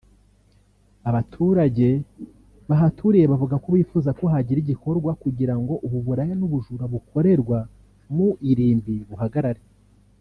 Abaturage bahaturiye bavuga ko bifuza ko hagira igikorwa kugira ngo ubu buraya n’ubujura bukorerwa mu irimbi buhagarare